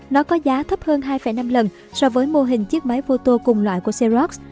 nó có giá thấp hơn hai năm lần so với mô hình chiếc máy photo cùng loại của seoc